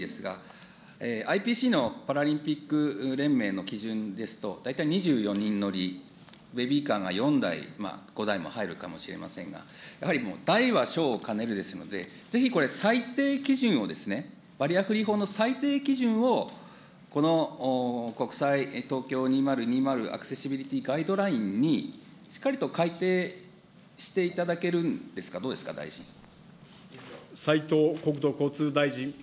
車いすの方とベビーカーが２台、だからもう非常に厳しいんですが、ＩＰＣのパラリンピック連盟の基準ですと、大体２４人乗り、ベビーカーが４台、５台も入るかもしれませんが、やはりもう大は小を兼ねるですので、ぜひこれ、最低基準を、バリアフリー法の最低基準を、この国際東京２０２０アクセシビリティガイドラインに、しっかりと改定していただけるんで斉藤国土交通大臣。